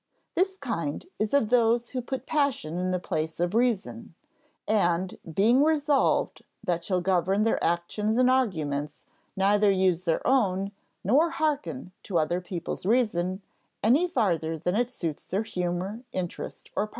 "This kind is of those who put passion in the place of reason, and being resolved that shall govern their actions and arguments, neither use their own, nor hearken to other people's reason, any farther than it suits their humor, interest, or party."